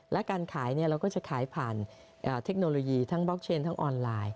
และการขายเราก็จะขายผ่านเทคโนโลยีทั้งบล็อกเชนทั้งออนไลน์